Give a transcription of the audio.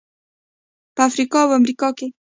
په افریقا او امریکا کې.